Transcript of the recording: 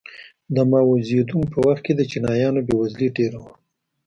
د ماوو زیدونګ په وخت کې د چینایانو بېوزلي ډېره وه.